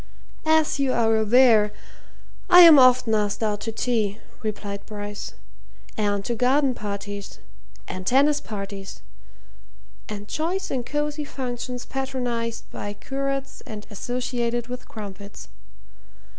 "As you are aware, I am often asked out to tea," replied Bryce, "and to garden parties, and tennis parties, and choice and cosy functions patronized by curates and associated with crumpets.